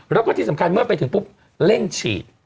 แล้วก็ที่สำคัญเมื่อไปถึงปุ๊บเร่งฉีด